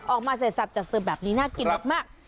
ออกมาใส่สับจัดเสริมแบบนี้น่ากินมาก